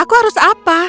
aku harus apa